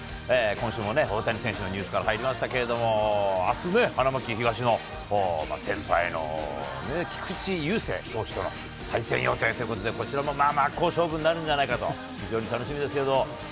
今週も大谷選手のニュースから入りましたけれども、あすね、花巻東の先輩の菊池雄星投手と対戦予定ということで、こちらもまあまあ、好勝負になるんじゃないかと、非常に楽しみですけれども。